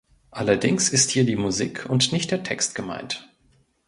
Allerdings ist hier die Musik und nicht der Text gemeint.